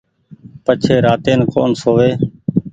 پڇي راتين ڪون سووي